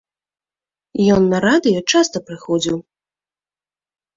Ён на радыё часта прыходзіў.